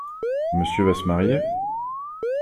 Monsieur va se marier ?